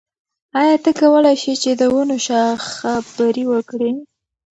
آیا ته کولای شې چې د ونو شاخه بري وکړې؟